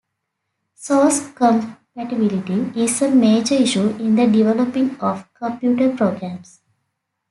Source compatibility is a major issue in the developing of computer programs.